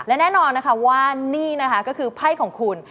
และแน่นอนว่านี่ก็คือไพ่ของคุณ